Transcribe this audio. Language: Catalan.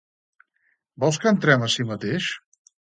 —Vols que entrem ací mateix?